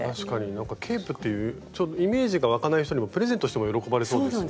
なんかケープっていうイメージが湧かない人にもプレゼントしても喜ばれそうですね。